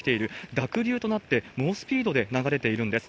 濁流となって、猛スピードで流れているんです。